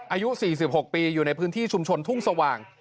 อายุ๔๖ปีอยู่ในพื้นที่ชุมชนทุ่งสว่าง